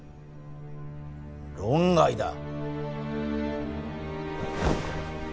論外だ。